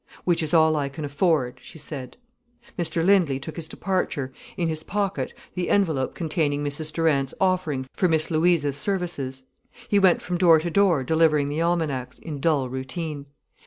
"Which is all I can afford," she said. Mr Lindley took his departure, in his pocket the envelope containing Mrs Durant's offering for Miss Louisa's services. He went from door to door delivering the almanacs, in dull routine.